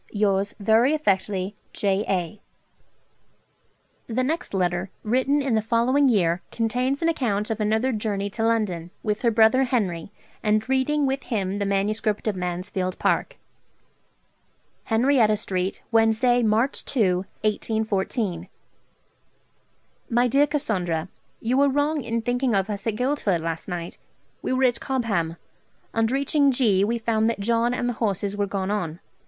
'Yours very affectly., 'J. A.' The next letter, written in the following year, contains an account of another journey to London, with her brother Henry, and reading with him the manuscript of 'Mansfield Park': 'Henrietta Street, Wednesday, March 2 (1814). 'MY DEAR CASSANDRA, 'You were wrong in thinking of us at Guildford last night: we were at Cobham. On reaching G. we found that John and the horses were gone on.